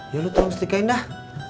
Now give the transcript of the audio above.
ya lu tolong setikain dah